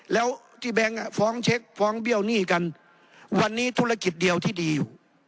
แล้วที่แบงค์ฟ้องเช็คฟ้องเบี้ยวหนี้กันวันนี้ธุรกิจเดียวที่ดีอยู่